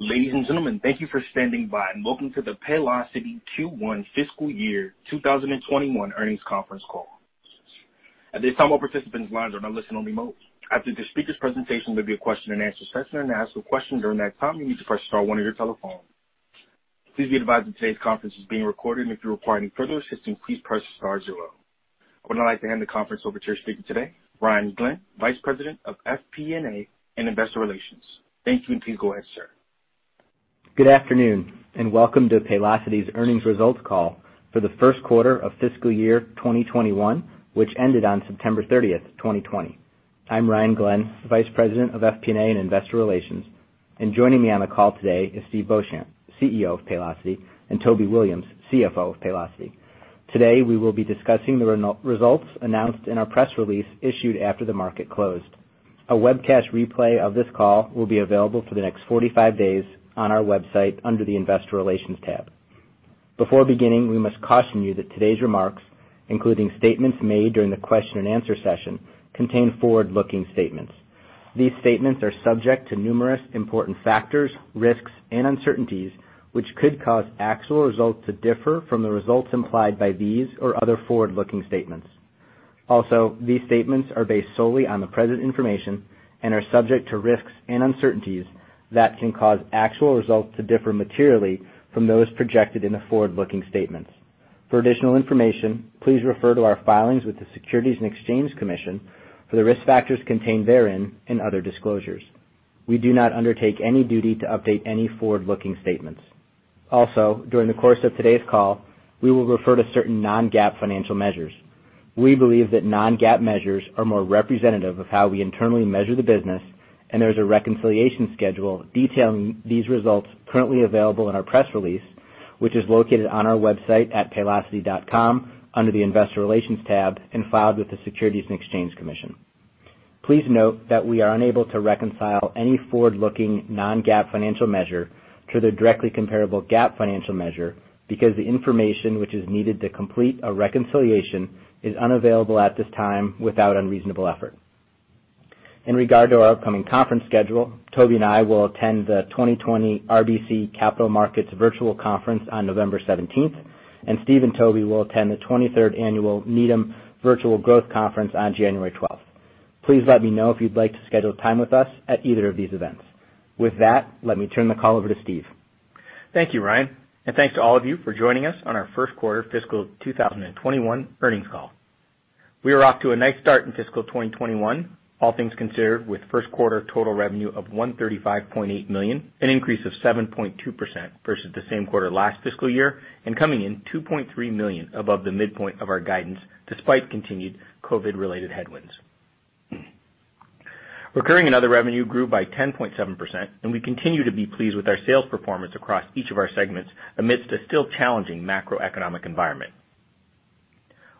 Ladies and gentlemen, thank you for standing by and welcome to the Paylocity Q1 fiscal year 2021 earnings conference call. At this time, all participants' lines are in a listen-only mode. After the speaker's presentation, there will be a question-and-answer session, and to ask a question during that time, you need to press star one on your telephone. Please be advised that today's conference is being recorded. If you require any further assistance, please press star zero. I would now like to hand the conference over to your speaker today, Ryan Glenn, Vice President of FP&A and Investor Relations. Thank you, and please go ahead, sir. Good afternoon and welcome to Paylocity's earnings results call for the first quarter of fiscal year 2021, which ended on September 30th, 2020. I'm Ryan Glenn, Vice President of FP&A and Investor Relations. Joining me on the call today is Steve Beauchamp, CEO of Paylocity, and Toby Williams, CFO of Paylocity. Today, we will be discussing the results announced in our press release issued after the market closed. A webcast replay of this call will be available for the next 45 days on our website under the Investor Relations tab. Before beginning, we must caution you that today's remarks, including statements made during the question-and-answer session, contain forward-looking statements. These statements are subject to numerous important factors, risks, and uncertainties which could cause actual results to differ from the results implied by these or other forward-looking statements. These statements are based solely on the present information and are subject to risks and uncertainties that can cause actual results to differ materially from those projected in the forward-looking statements. For additional information, please refer to our filings with the Securities and Exchange Commission for the risk factors contained therein and other disclosures. We do not undertake any duty to update any forward-looking statements. During the course of today's call, we will refer to certain non-GAAP financial measures. We believe that non-GAAP measures are more representative of how we internally measure the business, and there's a reconciliation schedule detailing these results currently available in our press release, which is located on our website at paylocity.com under the Investor Relations tab and filed with the Securities and Exchange Commission. Please note that we are unable to reconcile any forward-looking non-GAAP financial measure to the directly comparable GAAP financial measure because the information which is needed to complete a reconciliation is unavailable at this time without unreasonable effort. In regard to our upcoming conference schedule, Toby and I will attend the 2020 RBC Capital Markets Virtual Conference on November 17th, and Steve and Toby will attend the 23rd Annual Needham Virtual Growth Conference on January 12th. Please let me know if you'd like to schedule time with us at either of these events. With that, let me turn the call over to Steve. Thank you, Ryan. Thanks to all of you for joining us on our first quarter fiscal 2021 earnings call. We are off to a nice start in fiscal 2021, all things considered, with first quarter total revenue of $135.8 million, an increase of 7.2% versus the same quarter last fiscal year, and coming in $2.3 million above the midpoint of our guidance despite continued COVID-related headwinds. Recurring net revenue grew by 10.7%, and we continue to be pleased with our sales performance across each of our segments amidst a still challenging macroeconomic environment.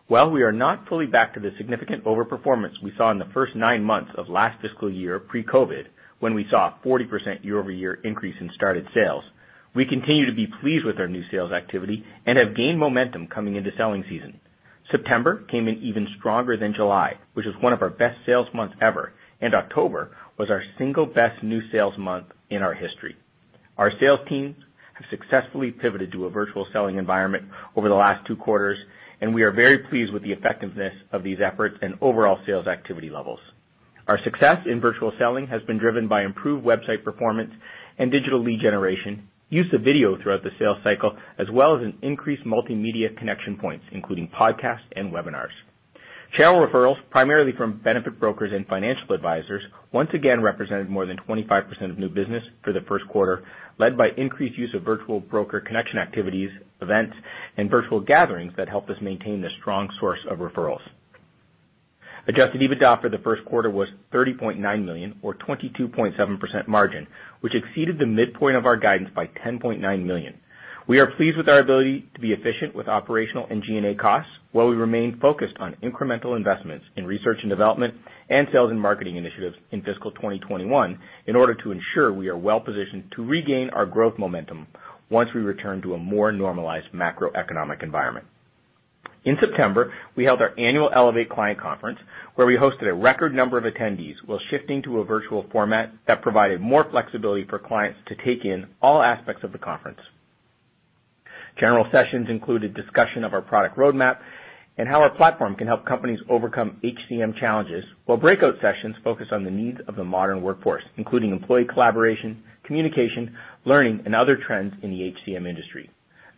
While we are not fully back to the significant overperformance we saw in the first nine months of last fiscal year pre-COVID, when we saw a 40% year-over-year increase in started sales, we continue to be pleased with our new sales activity and have gained momentum coming into selling season. September came in even stronger than July, which was one of our best sales months ever, and October was our single best new sales month in our history. Our sales teams have successfully pivoted to a virtual selling environment over the last two quarters, and we are very pleased with the effectiveness of these efforts and overall sales activity levels. Our success in virtual selling has been driven by improved website performance and digital lead generation, use of video throughout the sales cycle, as well as an increased multimedia connection points, including podcasts and webinars. Channel referrals, primarily from benefit brokers and financial advisors, once again represented more than 25% of new business for the first quarter, led by increased use of virtual broker connection activities, events, and virtual gatherings that help us maintain the strong source of referrals. Adjusted EBITDA for the first quarter was $30.9 million or 22.7% margin, which exceeded the midpoint of our guidance by $10.9 million. We are pleased with our ability to be efficient with operational and G&A costs while we remain focused on incremental investments in research and development and sales and marketing initiatives in fiscal 2021 in order to ensure we are well-positioned to regain our growth momentum once we return to a more normalized macroeconomic environment. In September, we held our annual Elevate client conference, where we hosted a record number of attendees while shifting to a virtual format that provided more flexibility for clients to take in all aspects of the conference. General sessions included discussion of our product roadmap and how our platform can help companies overcome HCM challenges, while breakout sessions focused on the needs of the modern workforce, including employee collaboration, communication, learning, and other trends in the HCM industry.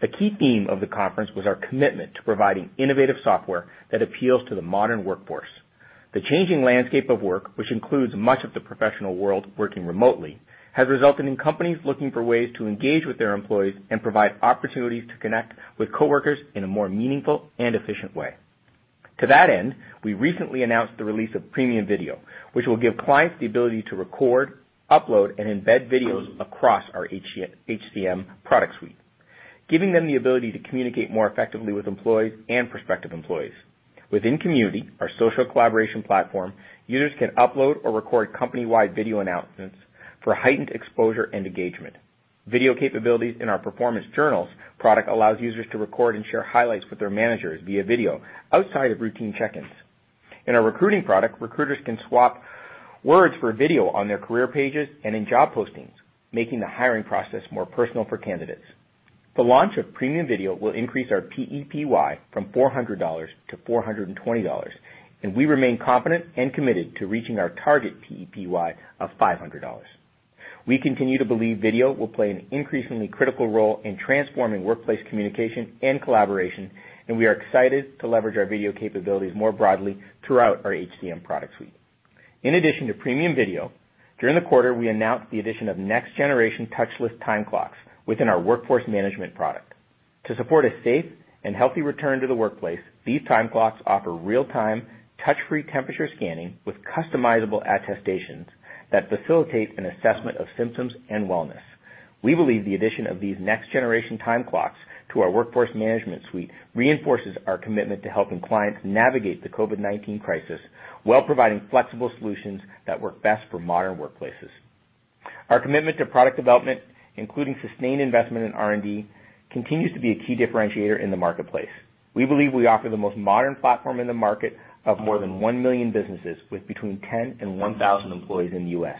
A key theme of the conference was our commitment to providing innovative software that appeals to the modern workforce. The changing landscape of work, which includes much of the professional world working remotely, has resulted in companies looking for ways to engage with their employees and provide opportunities to connect with coworkers in a more meaningful and efficient way. To that end, we recently announced the release of Premium Video, which will give clients the ability to record, upload, and embed videos across our HCM product suite, giving them the ability to communicate more effectively with employees and prospective employees. Within Community, our social collaboration platform, users can upload or record company-wide video announcements for heightened exposure and engagement. Video capabilities in our Performance Journals product allows users to record and share highlights with their managers via video outside of routine check-ins. In our recruiting product, recruiters can swap words for video on their career pages and in job postings, making the hiring process more personal for candidates. The launch of Premium Video will increase our PEPY from $400-$420, and we remain confident and committed to reaching our target PEPY of $500. We continue to believe video will play an increasingly critical role in transforming workplace communication and collaboration, and we are excited to leverage our video capabilities more broadly throughout our HCM product suite. In addition to Premium Video, during the quarter, we announced the addition of next-generation touchless time clocks within our workforce management product. To support a safe and healthy return to the workplace, these time clocks offer real-time touch-free temperature scanning with customizable attestations that facilitate an assessment of symptoms and wellness. We believe the addition of these next-generation time clocks to our workforce management suite reinforces our commitment to helping clients navigate the COVID-19 crisis, while providing flexible solutions that work best for modern workplaces. Our commitment to product development, including sustained investment in R&D, continues to be a key differentiator in the marketplace. We believe we offer the most modern platform in the market of more than 1 million businesses with between 10 and 1,000 employees in the U.S.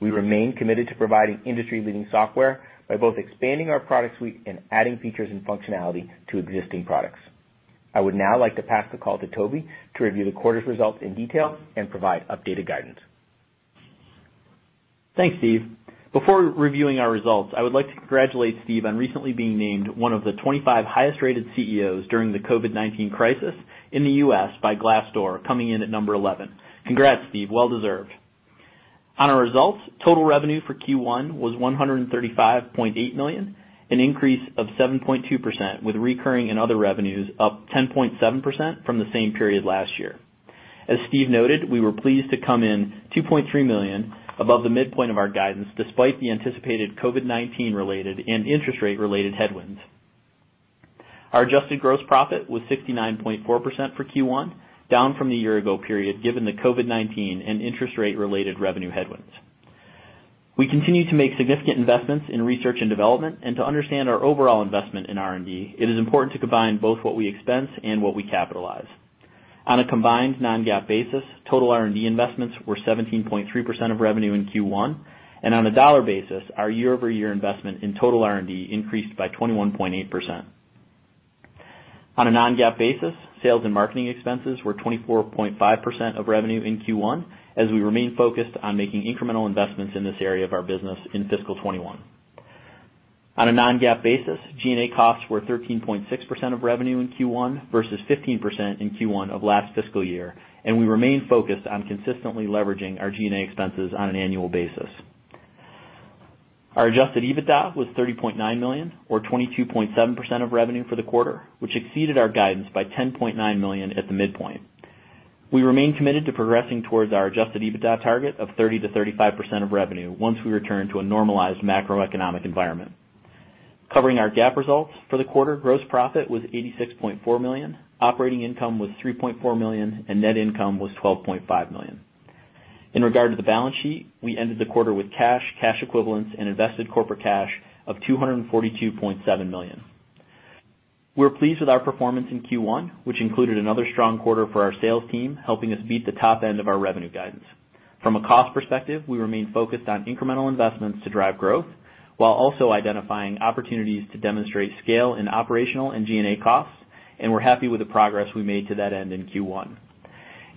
We remain committed to providing industry-leading software by both expanding our product suite and adding features and functionality to existing products. I would now like to pass the call to Toby to review the quarter's results in detail and provide updated guidance. Thanks, Steve. Before reviewing our results, I would like to congratulate Steve on recently being named one of the 25 highest-rated CEOs during the COVID-19 crisis in the U.S. by Glassdoor, coming in at number 11. Congrats, Steve. Well deserved. On our results, total revenue for Q1 was $135.8 million, an increase of 7.2%, with recurring and other revenues up 10.7% from the same period last year. As Steve noted, we were pleased to come in $2.3 million above the midpoint of our guidance, despite the anticipated COVID-19 related and interest rate related headwinds. Our adjusted gross profit was 69.4% for Q1, down from the year ago period, given the COVID-19 and interest rate related revenue headwinds. We continue to make significant investments in research and development. To understand our overall investment in R&D, it is important to combine both what we expense and what we capitalize. On a combined non-GAAP basis, total R&D investments were 17.3% of revenue in Q1, and on a dollar basis, our year-over-year investment in total R&D increased by 21.8%. On a non-GAAP basis, sales and marketing expenses were 24.5% of revenue in Q1, as we remain focused on making incremental investments in this area of our business in fiscal 2021. On a non-GAAP basis, G&A costs were 13.6% of revenue in Q1 versus 15% in Q1 of last fiscal year, and we remain focused on consistently leveraging our G&A expenses on an annual basis. Our adjusted EBITDA was $30.9 million or 22.7% of revenue for the quarter, which exceeded our guidance by $10.9 million at the midpoint. We remain committed to progressing towards our adjusted EBITDA target of 30%-35% of revenue once we return to a normalized macroeconomic environment. Covering our GAAP results for the quarter, gross profit was $86.4 million, operating income was $3.4 million, and net income was $12.5 million. In regard to the balance sheet, we ended the quarter with cash equivalents, and invested corporate cash of $242.7 million. We're pleased with our performance in Q1, which included another strong quarter for our sales team, helping us beat the top end of our revenue guidance. From a cost perspective, we remain focused on incremental investments to drive growth while also identifying opportunities to demonstrate scale in operational and G&A costs, and we're happy with the progress we made to that end in Q1.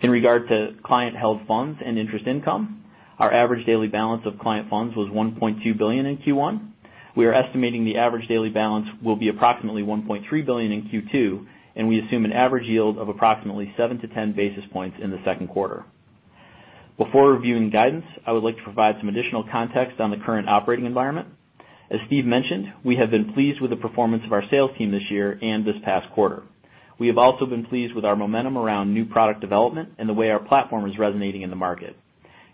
In regard to client-held funds and interest income, our average daily balance of client funds was $1.2 billion in Q1. We are estimating the average daily balance will be approximately $1.3 billion in Q2, and we assume an average yield of approximately seven to 10 basis points in the second quarter. Before reviewing guidance, I would like to provide some additional context on the current operating environment. As Steve mentioned, we have been pleased with the performance of our sales team this year and this past quarter. We have also been pleased with our momentum around new product development and the way our platform is resonating in the market.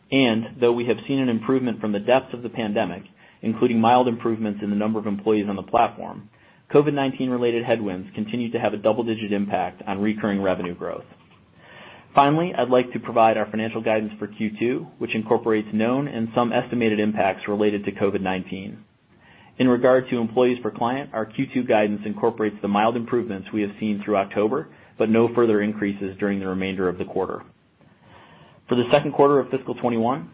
Though we have seen an improvement from the depths of the pandemic, including mild improvements in the number of employees on the platform, COVID-19 related headwinds continue to have a double-digit impact on recurring revenue growth. Finally, I'd like to provide our financial guidance for Q2, which incorporates known and some estimated impacts related to COVID-19. In regard to employees per client, our Q2 guidance incorporates the mild improvements we have seen through October, but no further increases during the remainder of the quarter. For the second quarter of fiscal 2021,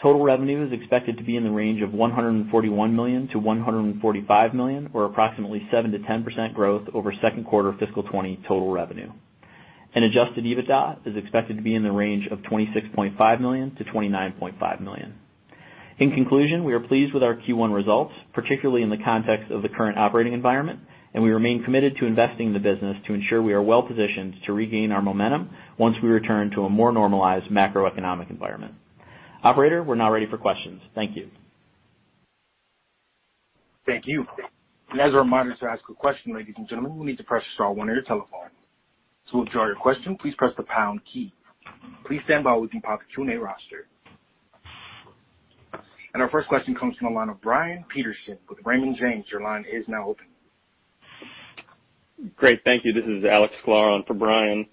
total revenue is expected to be in the range of $141 million-$145 million, or approximately 7%-10% growth over second quarter fiscal 2020 total revenue. Adjusted EBITDA is expected to be in the range of $26.5 million-$29.5 million. In conclusion, we are pleased with our Q1 results, particularly in the context of the current operating environment, and we remain committed to investing in the business to ensure we are well positioned to regain our momentum once we return to a more normalized macroeconomic environment. Operator, we're now ready for questions. Thank you. Thank you. As a reminder to ask a question, ladies and gentlemen, you will need to press star one on your telephone. To withdraw your question, please press the pound key. Please stand by while we compile the Q&A roster. Our first question comes from the line of Brian Peterson with Raymond James. Your line is now open. Great. Thank you. This is Alex Sklar on for Brian.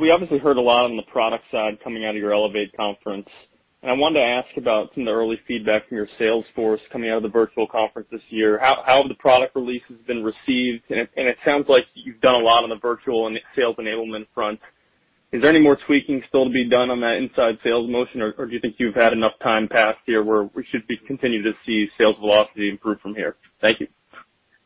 We obviously heard a lot on the product side coming out of your Elevate conference. I wanted to ask about some of the early feedback from your sales force coming out of the virtual conference this year. How have the product releases been received? It sounds like you've done a lot on the virtual and sales enablement front. Is there any more tweaking still to be done on that inside sales motion, or do you think you've had enough time passed here where we should continue to see sales velocity improve from here? Thank you.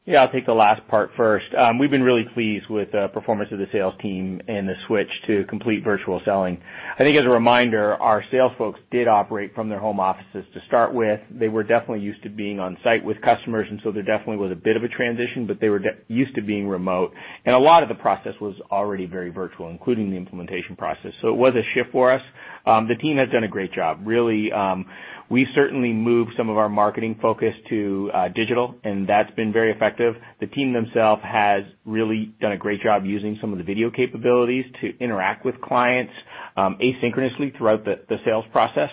Yeah, I'll take the last part first. We've been really pleased with the performance of the sales team and the switch to complete virtual selling. I think as a reminder, our sales folks did operate from their home offices to start with. They were definitely used to being on site with customers, there definitely was a bit of a transition, but they were used to being remote. A lot of the process was already very virtual, including the implementation process. It was a shift for us. The team has done a great job, really. We certainly moved some of our marketing focus to digital, and that's been very effective. The team themselves has really done a great job using some of the video capabilities to interact with clients asynchronously throughout the sales process.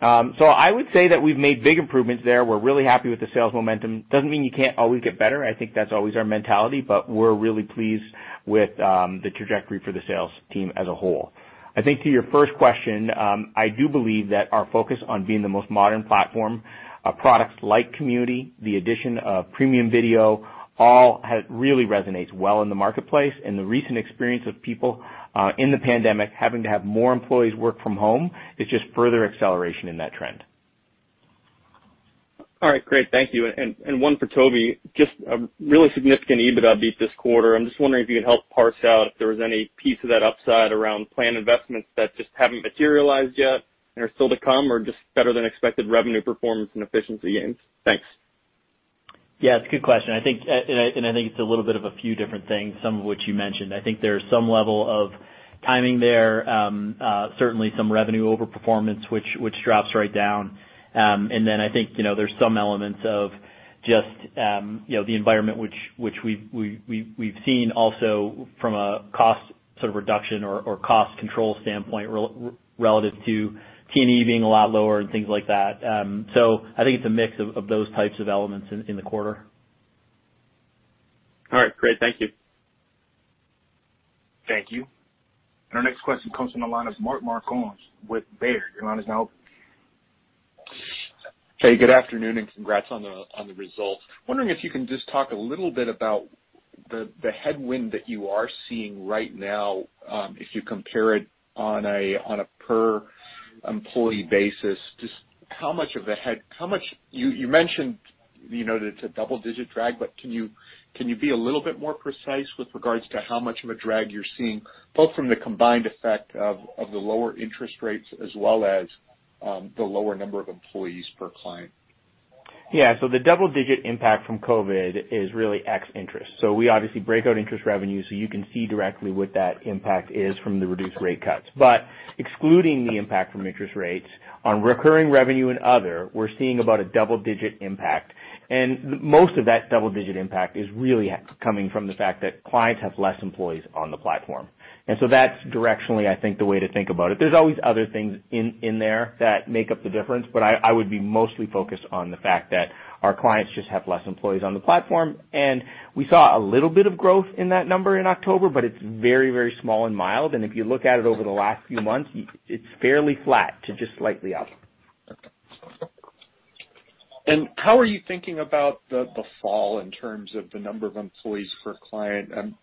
I would say that we've made big improvements there. We're really happy with the sales momentum. Doesn't mean you can't always get better. I think that's always our mentality, but we're really pleased with the trajectory for the sales team as a whole. I think to your first question, I do believe that our focus on being the most modern platform, products like Community, the addition of Premium Video, all really resonates well in the marketplace. The recent experience of people in the pandemic having to have more employees work from home is just further acceleration in that trend. All right, great. Thank you. One for Toby, just a really significant EBITDA beat this quarter. I'm just wondering if you could help parse out if there was any piece of that upside around planned investments that just haven't materialized yet and are still to come, or just better than expected revenue performance and efficiency gains. Thanks. Yeah, it's a good question. I think it's a little bit of a few different things, some of which you mentioned. I think there's some level of timing there, certainly some revenue over performance, which drops right down. Then I think there's some elements of just the environment which we've seen also from a cost reduction or cost control standpoint relative to T&E being a lot lower and things like that. I think it's a mix of those types of elements in the quarter. All right, great. Thank you. Thank you. Our next question comes from the line of Mark Marcon with Baird. Your line is now open. Hey, good afternoon, and congrats on the results. Wondering if you can just talk a little bit about the headwind that you are seeing right now, if you compare it on a per employee basis. You mentioned that it's a double-digit drag, can you be a little bit more precise with regards to how much of a drag you're seeing, both from the combined effect of the lower interest rates as well as the lower number of employees per client? Yeah. The double-digit impact from COVID is really ex interest. We obviously break out interest revenue, so you can see directly what that impact is from the reduced rate cuts. Excluding the impact from interest rates on recurring revenue and other, we're seeing about a double-digit impact. Most of that double-digit impact is really coming from the fact that clients have less employees on the platform. That's directionally, I think, the way to think about it. There's always other things in there that make up the difference, but I would be mostly focused on the fact that our clients just have less employees on the platform. We saw a little bit of growth in that number in October, but it's very small and mild. If you look at it over the last few months, it's fairly flat to just slightly up. How are you thinking about the fall in terms of the number of employees per client? I'm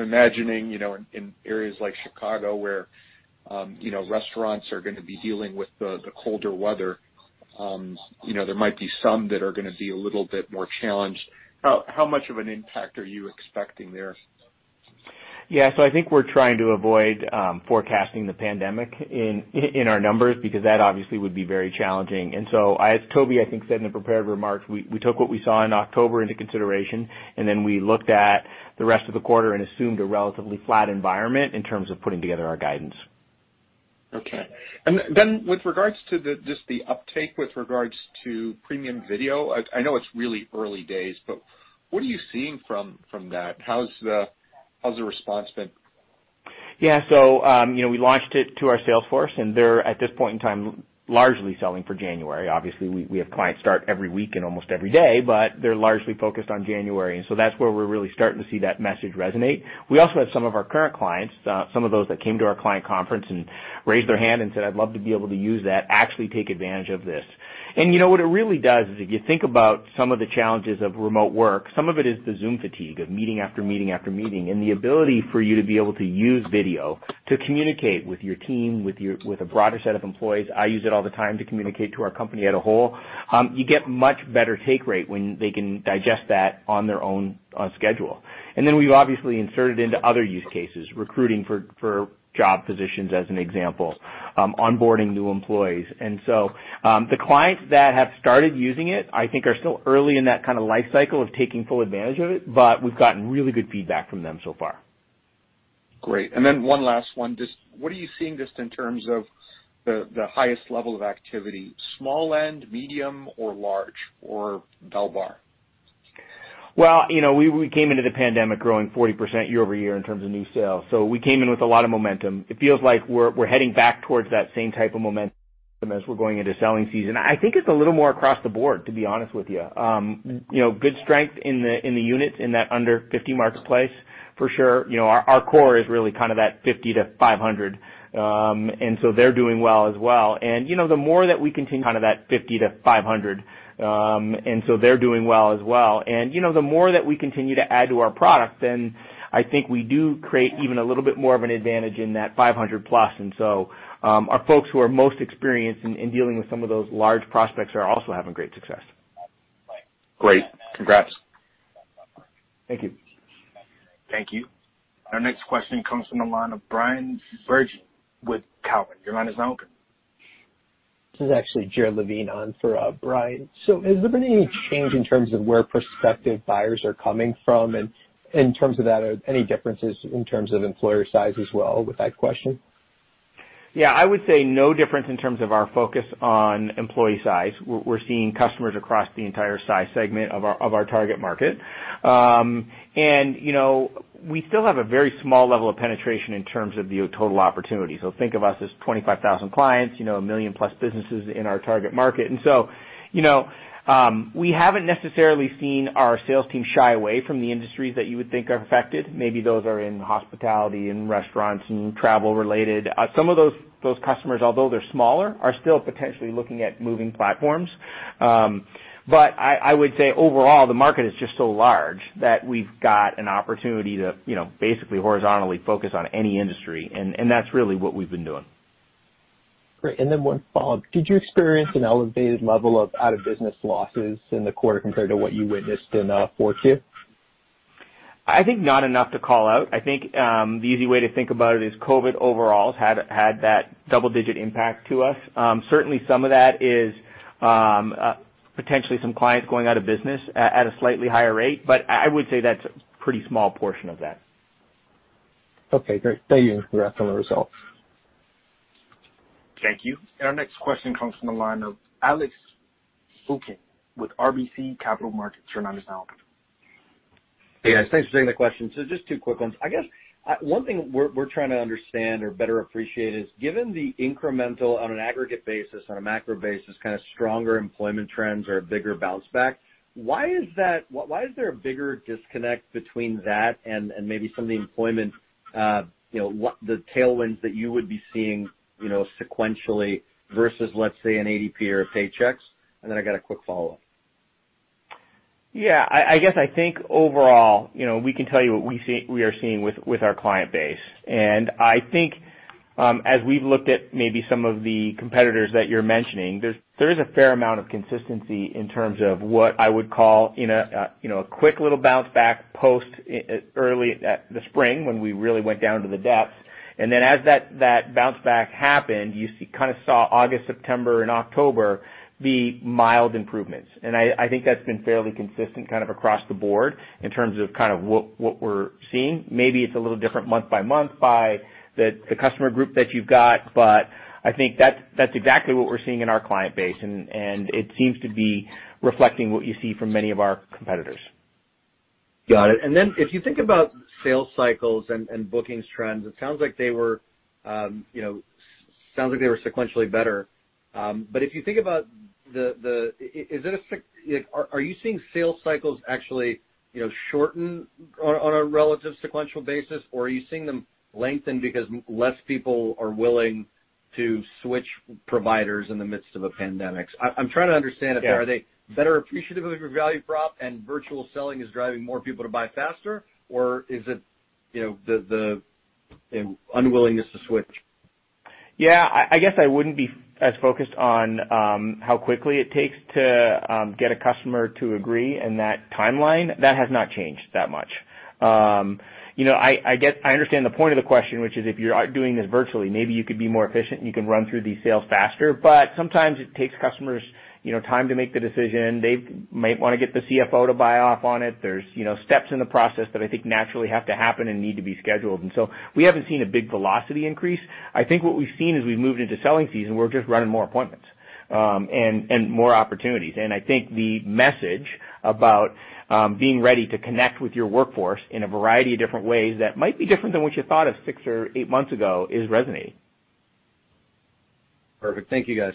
imagining in areas like Chicago, where restaurants are going to be dealing with the colder weather, there might be some that are going to be a little bit more challenged. How much of an impact are you expecting there? I think we're trying to avoid forecasting the pandemic in our numbers because that obviously would be very challenging. As Toby, I think, said in the prepared remarks, we took what we saw in October into consideration, and then we looked at the rest of the quarter and assumed a relatively flat environment in terms of putting together our guidance. Okay. With regards to just the uptake with regards to Premium Video, I know it's really early days, but what are you seeing from that? How's the response been? Yeah. We launched it to our sales force, and they're, at this point in time, largely selling for January. Obviously, we have clients start every week and almost every day, but they're largely focused on January, and so that's where we're really starting to see that message resonate. We also have some of our current clients, some of those that came to our client conference and raised their hand and said, "I'd love to be able to use that," actually take advantage of this. What it really does is if you think about some of the challenges of remote work, some of it is the Zoom fatigue of meeting after meeting after meeting. The ability for you to be able to use video to communicate with your team, with a broader set of employees, I use it all the time to communicate to our company as a whole. You get much better take rate when they can digest that on their own schedule. Then we've obviously inserted into other use cases, recruiting for job positions as an example, onboarding new employees. So the clients that have started using it, I think are still early in that kind of life cycle of taking full advantage of it, but we've gotten really good feedback from them so far. Great. Then one last one. Just what are you seeing just in terms of the highest level of activity, small end, medium or large, or bell bar? Well, we came into the pandemic growing 40% year-over-year in terms of new sales. We came in with a lot of momentum. It feels like we're heading back towards that same type of momentum as we're going into selling season. I think it's a little more across the board, to be honest with you. Good strength in the units in that under 50 marketplace for sure. Our core is really kind of that 50 to 500. They're doing well as well. The more that we continue to add to our product, I think we do create even a little bit more of an advantage in that 500+. Our folks who are most experienced in dealing with some of those large prospects are also having great success. Great. Congrats. Thank you. Thank you. Our next question comes from the line of Bryan Bergin with Cowen. Your line is now open. This is actually Jared Levine on for Bryan. Has there been any change in terms of where prospective buyers are coming from? In terms of that, are any differences in terms of employer size as well with that question? Yeah, I would say no difference in terms of our focus on employee size. We're seeing customers across the entire size segment of our target market. We still have a very small level of penetration in terms of the total opportunity. Think of us as 25,000 clients, 1 million+ businesses in our target market. We haven't necessarily seen our sales team shy away from the industries that you would think are affected. Maybe those are in hospitality and restaurants and travel related. Some of those customers, although they're smaller, are still potentially looking at moving platforms. I would say overall, the market is just so large that we've got an opportunity to basically horizontally focus on any industry, and that's really what we've been doing. Great. One follow-up. Did you experience an elevated level of out-of-business losses in the quarter compared to what you witnessed in Q4? I think not enough to call out. I think, the easy way to think about it is COVID overall had that double-digit impact to us. Certainly, some of that is potentially some clients going out of business at a slightly higher rate. I would say that's a pretty small portion of that. Okay, great. Thank you. Congrats on the results. Thank you. Our next question comes from the line of Alex Zukin with RBC Capital Markets. Hey, guys, thanks for taking the question. Just two quick ones. I guess one thing we're trying to understand or better appreciate is, given the incremental on an aggregate basis, on a macro basis, kind of stronger employment trends or a bigger bounce back, why is there a bigger disconnect between that and maybe some of the employment, the tailwinds that you would be seeing sequentially versus, let's say, an ADP or Paychex? I got a quick follow-up. Yeah, I guess I think overall we can tell you what we are seeing with our client base. I think as we've looked at maybe some of the competitors that you're mentioning, there is a fair amount of consistency in terms of what I would call a quick little bounce back post early the spring when we really went down to the depths. Then as that bounce back happened, you kind of saw August, September, and October be mild improvements. I think that's been fairly consistent kind of across the board in terms of what we're seeing. Maybe it's a little different month by month by the customer group that you've got, but I think that's exactly what we're seeing in our client base, and it seems to be reflecting what you see from many of our competitors. Got it. If you think about sales cycles and bookings trends, it sounds like they were sequentially better. If you think about, are you seeing sales cycles actually shorten on a relative sequential basis, or are you seeing them lengthen because less people are willing to switch providers in the midst of a pandemic? Yeah. Are they better appreciative of your value prop and virtual selling is driving more people to buy faster? Or is it the unwillingness to switch? I guess I wouldn't be as focused on how quickly it takes to get a customer to agree and that timeline. That has not changed that much. I understand the point of the question, which is if you're out doing this virtually, maybe you could be more efficient, and you can run through these sales faster. Sometimes it takes customers time to make the decision. They might want to get the CFO to buy off on it. There's steps in the process that I think naturally have to happen and need to be scheduled. So we haven't seen a big velocity increase. I think what we've seen as we've moved into selling season, we're just running more appointments and more opportunities. I think the message about being ready to connect with your workforce in a variety of different ways that might be different than what you thought of six or eight months ago is resonating. Perfect. Thank you, guys.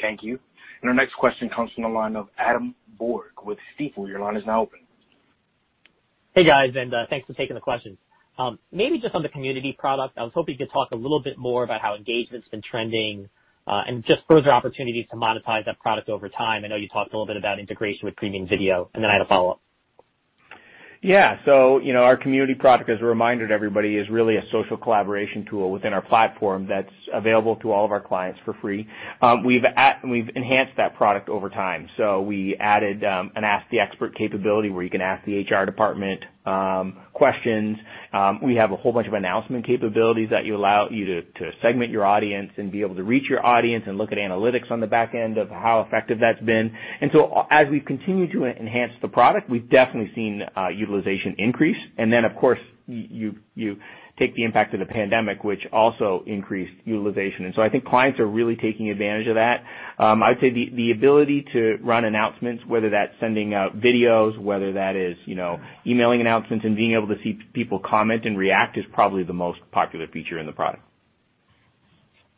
Thank you. Our next question comes from the line of Adam Borg with Stifel. Hey, guys, thanks for taking the questions. Maybe just on the Community product, I was hoping you could talk a little bit more about how engagement's been trending, and just further opportunities to monetize that product over time. I know you talked a little bit about integration with Premium Video. I had a follow-up. Our Community product, as a reminder to everybody, is really a social collaboration tool within our platform that's available to all of our clients for free. We've enhanced that product over time. We added an ask-the-expert capability where you can ask the HR department questions. We have a whole bunch of announcement capabilities that allow you to segment your audience and be able to reach your audience and look at analytics on the back end of how effective that's been. As we've continued to enhance the product, we've definitely seen utilization increase. Of course, you take the impact of the pandemic, which also increased utilization. I think clients are really taking advantage of that. I'd say the ability to run announcements, whether that's sending out videos, whether that is emailing announcements and being able to see people comment and react, is probably the most popular feature in the product.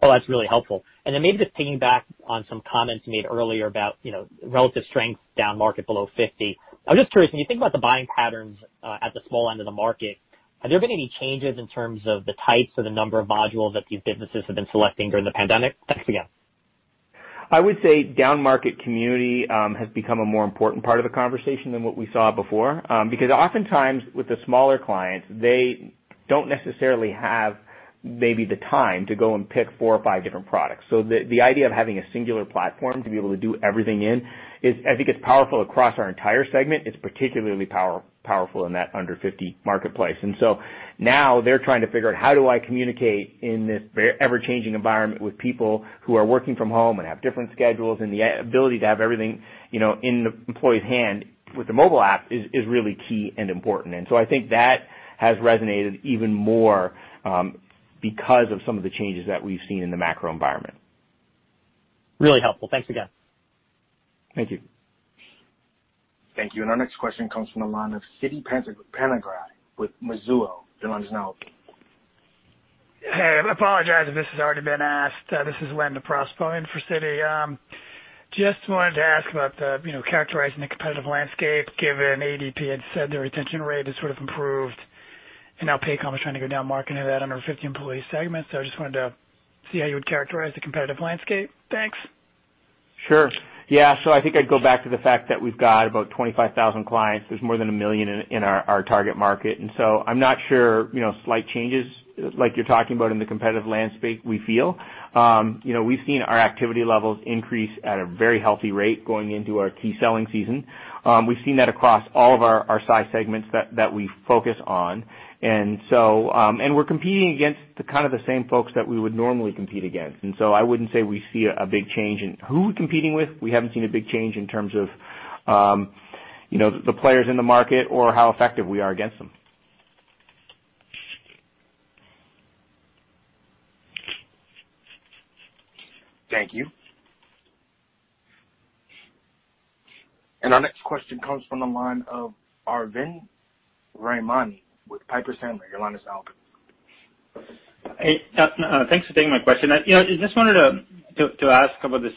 Oh, that's really helpful. Then maybe just piggyback on some comments you made earlier about relative strength down market below 50. I'm just curious, when you think about the buying patterns at the small end of the market, have there been any changes in terms of the types or the number of modules that these businesses have been selecting during the pandemic? Thanks again. I would say down market Community has become a more important part of the conversation than what we saw before. Oftentimes with the smaller clients, they don't necessarily have maybe the time to go and pick four or five different products. The idea of having a singular platform to be able to do everything in, I think it's powerful across our entire segment. It's particularly powerful in that under 50 marketplace. Now they're trying to figure out, how do I communicate in this ever-changing environment with people who are working from home and have different schedules? The ability to have everything in the employee's hand with the mobile app is really key and important. I think that has resonated even more because of some of the changes that we've seen in the macro environment. Really helpful. Thanks again. Thank you. Thank you. Our next question comes from the line of Siti Panigrahi with Mizuho. Your line is now open. Hey, I apologize if this has already been asked. This is Leonard DeProspo in for Siti. Just wanted to ask about characterizing the competitive landscape, given ADP had said their retention rate has sort of improved and now Paycom is trying to go down market of that under 50 employee segment. I just wanted to see how you would characterize the competitive landscape. Thanks. Sure. Yeah. I think I'd go back to the fact that we've got about 25,000 clients. There's more than 1 million in our target market, I'm not sure slight changes like you're talking about in the competitive landscape, we feel. We've seen our activity levels increase at a very healthy rate going into our key selling season. We've seen that across all of our size segments that we focus on. We're competing against the same folks that we would normally compete against. I wouldn't say we see a big change in who we're competing with. We haven't seen a big change in terms of the players in the market or how effective we are against them. Thank you. Our next question comes from the line of Arvind Ramnani with Piper Sandler. Your line is open. Hey. Thanks for taking my question. I just wanted to ask about this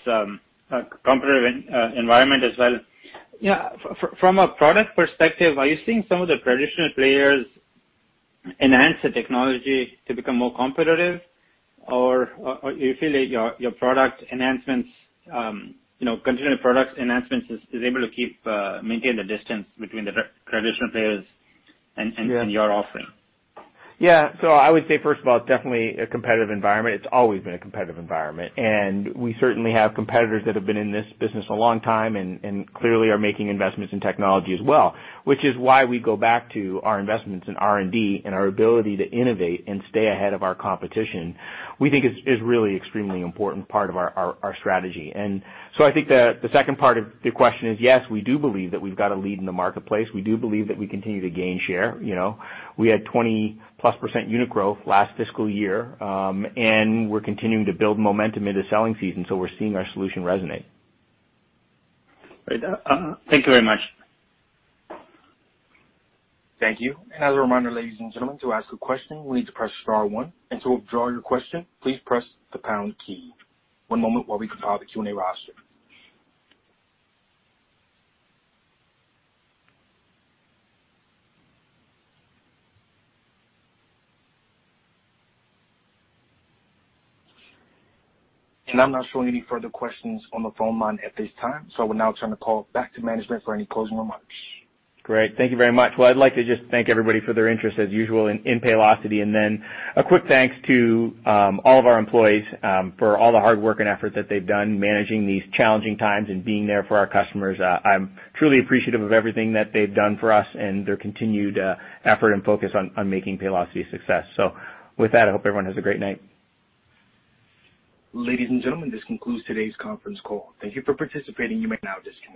competitive environment as well. From a product perspective, are you seeing some of the traditional players enhance the technology to become more competitive? Or you feel that your continuing product enhancements is able to maintain the distance between the traditional players and your offering? Yeah. I would say, first of all, it's definitely a competitive environment. It's always been a competitive environment, and we certainly have competitors that have been in this business a long time and clearly are making investments in technology as well, which is why we go back to our investments in R&D and our ability to innovate and stay ahead of our competition. We think it's really extremely important part of our strategy. I think the second part of the question is, yes, we do believe that we've got a lead in the marketplace. We do believe that we continue to gain share. We had 20+% unit growth last fiscal year, and we're continuing to build momentum into selling season. We're seeing our solution resonate. Great. Thank you very much. Thank you. As a reminder, ladies and gentlemen, to ask a question, you will need to press star one, and to withdraw your question, please press the pound key. One moment while we compile the Q&A roster. I'm not showing any further questions on the phone line at this time, so we'll now turn the call back to management for any closing remarks. Great. Thank you very much. I'd like to just thank everybody for their interest as usual in Paylocity, and then a quick thanks to all of our employees for all the hard work and effort that they've done managing these challenging times and being there for our customers. I'm truly appreciative of everything that they've done for us and their continued effort and focus on making Paylocity a success. With that, I hope everyone has a great night. Ladies and gentlemen, this concludes today's conference call. Thank you for participating. You may now disconnect.